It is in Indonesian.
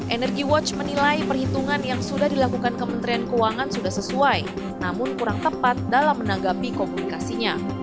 energy watch menilai perhitungan yang sudah dilakukan kementerian keuangan sudah sesuai namun kurang tepat dalam menanggapi komunikasinya